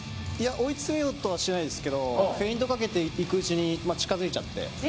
追い詰めようとはしてないですけどフェイントをかけていくうちに近づいちゃって。